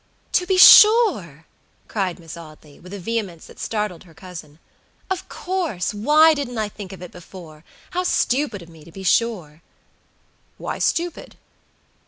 "To be sure!" cried Miss Audley, with a vehemence that startled her cousin; "of course. Why didn't I think of it before? How stupid of me, to be sure!" "Why stupid?"